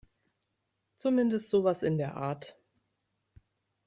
Zumindest sowas in der Art.